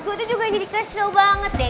gue tuh juga jadi castle banget deh